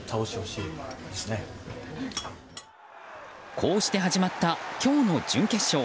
こうして始まった今日の準決勝。